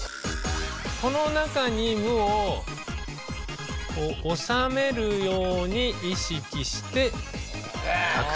この中に「む」を収めるように意識して書く。